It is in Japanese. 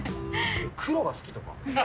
黒が好きとか。